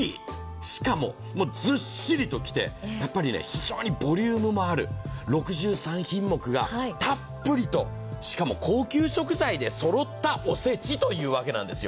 しかもずっしりときて、非常にボリュームもある６３品目がたっぷりとしかも高級食材でそろったおせちというわけなんですよ。